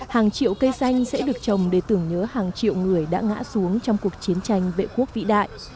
hàng triệu cây xanh sẽ được trồng để tưởng nhớ hàng triệu người đã ngã xuống trong cuộc chiến tranh vệ quốc vĩ đại